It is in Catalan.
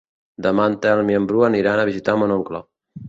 Demà en Telm i en Bru aniran a visitar mon oncle.